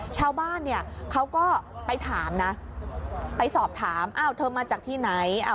ชาวบ้านเนี่ยเขาก็ไปถามนะไปสอบถามอ้าวเธอมาจากที่ไหน